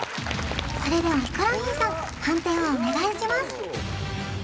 それではヒコロヒーさん判定をお願いします